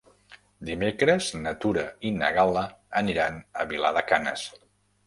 Dimecres na Tura i na Gal·la aniran a Vilar de Canes.